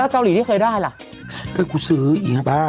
แล้วเกาหรีที่เคยได้ล่ะก็กุซื้ออีงหนึ่งค่ะบ้า